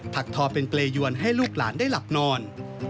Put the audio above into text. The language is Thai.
ักทอเป็นเปรยวนให้ลูกหลานได้หลับนอน